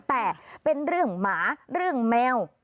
แต่เป็นเรื่องหมาเรื่องแมว